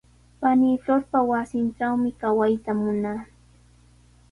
Panii Florpa wasintrawmi kawayta munaa.